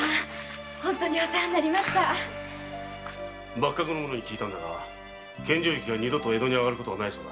幕閣の者に聞いたんだが献上雪が二度と江戸に上がることはないそうだ。